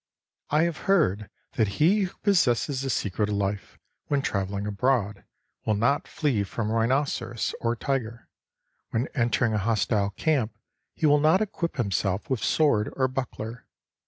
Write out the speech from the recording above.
I have heard that he who possesses the secret of life, when travelling abroad, will not flee from rhinoceros or tiger ; when entering a hostile camp, he will not equip himself with sword or buckler.